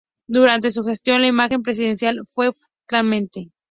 Durante su gestión, la imagen presidencial fue fluctuante.